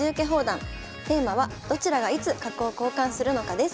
テーマは「どちらがいつ角を交換するのか」です。